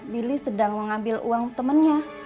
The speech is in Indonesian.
billy sedang mengambil uang temannya